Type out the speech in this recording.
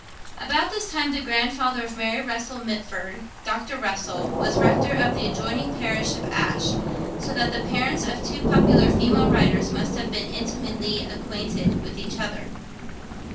About this time, the grandfather of Mary Russell Mitford, Dr. Russell, was Rector of the adjoining parish of Ashe; so that the parents of two popular female writers must have been intimately acquainted with each other.